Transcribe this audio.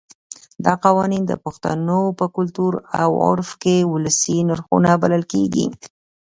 دا قوانین د پښتنو په کلتور او عرف کې ولسي نرخونه بلل کېږي.